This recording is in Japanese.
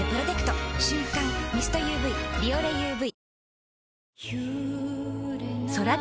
瞬感ミストＵＶ「ビオレＵＶ」